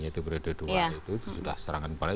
itu sudah serangan balik